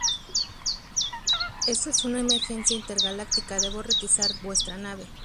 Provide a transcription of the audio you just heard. Esto es una emergencia intergaláctica. Debo requisar vuestra nave.